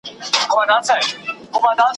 خدای قبولي دي روژې و عبادت که